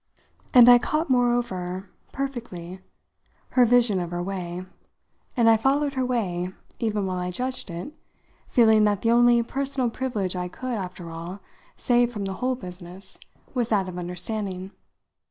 And I caught moreover perfectly her vision of her way, and I followed her way even while I judged it, feeling that the only personal privilege I could, after all, save from the whole business was that of understanding.